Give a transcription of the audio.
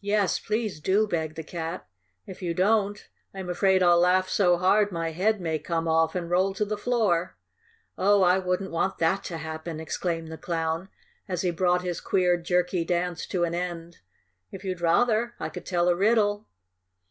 "Yes, please do," begged the Cat. "If you don't, I'm afraid I'll laugh so hard my head may come off and roll to the floor." "Oh, I wouldn't want THAT to happen!" exclaimed the Clown, as he brought his queer, jerky dance to an end. "If you'd rather, I could tell a riddle."